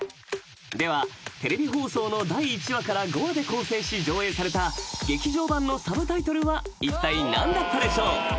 ではテレビ放送の第１話から５話で構成し上映された劇場版のサブタイトルはいったい何だったでしょう］